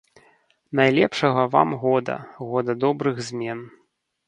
Найлепшага вам года, года добрых змен!